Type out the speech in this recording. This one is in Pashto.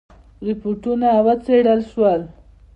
رپوټونه وڅېړل شول.